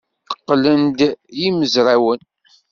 Qqlen-d yimezrawen.